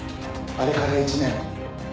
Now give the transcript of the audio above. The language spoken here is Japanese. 「あれから１年。